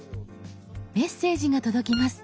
メッセージが届きます。